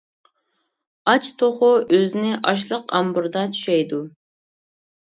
ئاچ توخۇ ئۆزىنى ئاشلىق ئامبىرىدا چۈشەيدۇ.